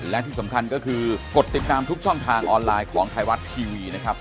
และที่สำคัญก็คือกดติดตามทุกช่องทางออนไลน์ของไทยรัฐทีวีนะครับ